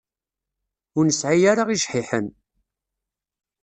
Ur nesɛi ara ijḥiḥen.